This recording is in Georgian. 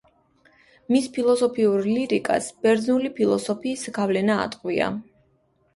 მის ფილოსოფიურ ლირიკას ბერძნული ფილოსოფიის გავლენა ატყვია.